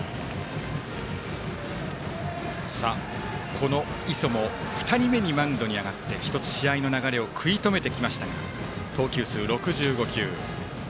この磯も２人目にマウンドに上がって１つ試合の流れを食い止めてきました。